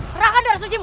serahkan darah suci mu